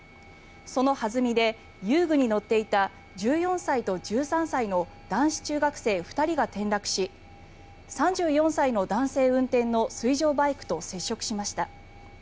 その弾みで遊具に乗っていた１４歳と１３歳の男子中学生２人が転落し３４歳の男性運転の水上バイクと接触しました。